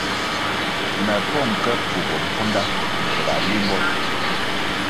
Me pong ke pfubo mbvunda mur ga limbo.